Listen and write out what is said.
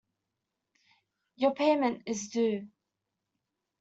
Your payment is due.